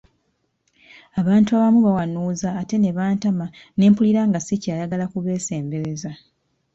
Abantu abamu bawanuuza ate ne bantama n’empulira nga sikyayagala kubeesembereza.